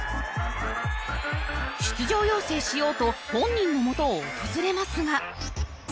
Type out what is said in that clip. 出場要請しようと本人のもとを訪れますが。